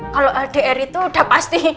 kalau ldr itu sudah pasti